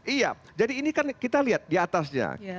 iya jadi ini kan kita lihat diatasnya